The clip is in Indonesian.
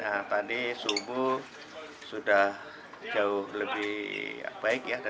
nah tadi subuh sudah jauh lebih baik ya